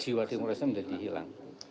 jiwa demokrasi menjadi hilang